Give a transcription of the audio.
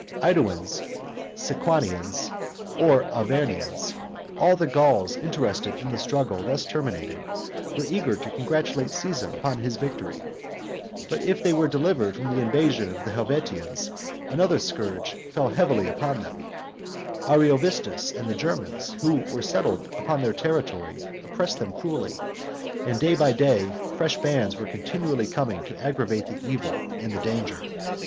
[Illustration: Mounted Gauls 66] AEduans, Sequanians, or Arvernians, all the Gauls interested in the struggle thus terminated, were eager to congratulate Caesar upon his victory; but if they were delivered from the invasion of the Helvetians, another scourge fell heavily upon them; Ariovistus and the Germans, who were settled upon their territory, oppressed them cruelly, and day by day fresh bands were continually coming to aggravate the evil and the danger.